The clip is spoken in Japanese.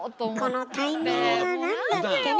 このタイミングはなんだ⁉ってね。